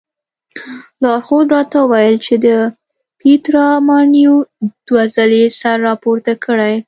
لارښود راته وویل چې د پیترا ماڼیو دوه ځلې سر راپورته کړی.